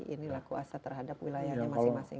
inilah kuasa terhadap wilayahnya masing masing